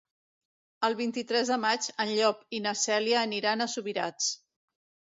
El vint-i-tres de maig en Llop i na Cèlia aniran a Subirats.